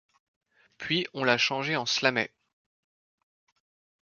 Puis on l'a changé en Slamet.